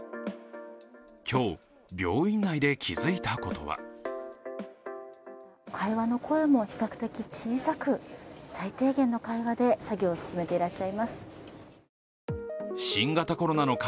今日、病院内で気づいたことは会話の声も比較的小さく最低限の会話で作業を進めていらっしゃいます。